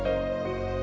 karena gue soalnya ada